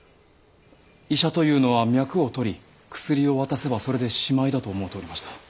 医者というのは脈を取り薬を渡せばそれでしまいだと思うておりました。